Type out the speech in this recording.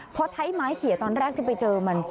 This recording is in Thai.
พอใช้ไม้เขียตอนแรกที่ไปเจอมัน